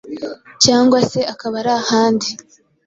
cyangwa se akaba ari ahandi